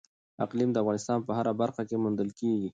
اقلیم د افغانستان په هره برخه کې موندل کېږي.